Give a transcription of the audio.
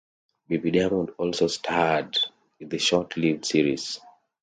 Bobby Diamond also starred in the short-lived series.